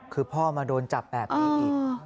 คือพ่อมาโดนจับแบบนี้อีก